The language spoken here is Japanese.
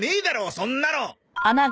そんなの！